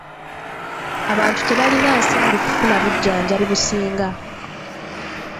Abantu tebalina nsimbi kufuna bujjanjabi businga.